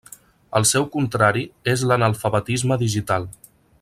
El seu contrari és l'analfabetisme digital.